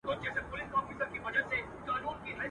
سره لمبه به دا ښارونه دا وطن وي.